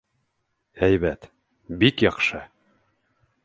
— Һәйбәт, бик яҡшы.